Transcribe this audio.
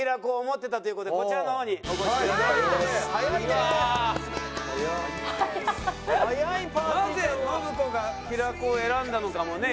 なぜ信子が平子を選んだのかもね